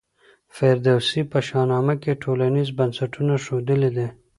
فردوسي په شاهنامه کي ټولنیز بنسټونه ښودلي دي.